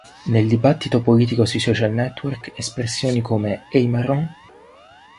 Nel dibattito politico sui social network espressioni come "E i marò?